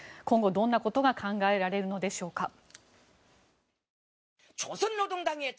今後、どんなことが考えられるのでしょうか。